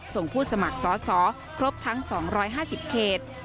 ผู้สมัครสอสอครบทั้ง๒๕๐เขต